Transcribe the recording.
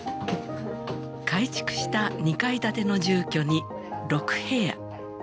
改築した２階建ての住居に６部屋。